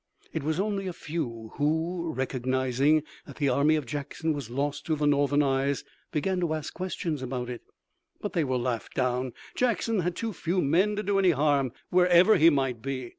It was only a few who, recognizing that the army of Jackson was lost to Northern eyes, began to ask questions about it. But they were laughed down. Jackson had too few men to do any harm, wherever he might be.